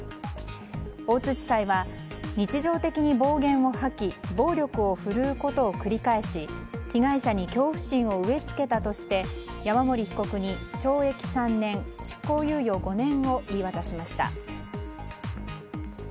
大津地裁は、日常的に暴言を吐き暴力を振るうことを繰り返し被害者に恐怖心を植え付けたとして、山森被告に懲役３年、執行猶予５年を言い渡しました。